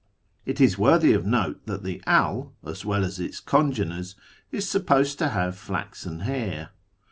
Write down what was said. It is worthy of note that the Al, as well as its congeners, is supposed to have flaxen hair.